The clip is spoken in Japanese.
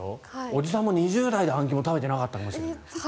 おじさんも２０代であん肝を食べてなかったかもしれない。